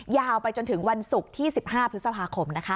ยาวไปจนถึงวันศุกร์ที่๑๕พฤษภาคมนะคะ